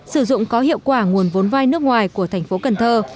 sử dụng có hiệu quả nguồn vốn vai nước ngoài của thành phố cần thơ